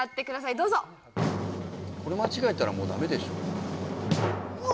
どうぞこれ間違えたらもうダメでしょう